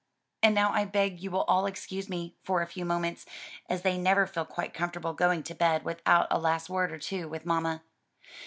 "And now I beg you will all excuse me for a few moments, as they never feel quite comfortable going to bed without a last word or two with mamma."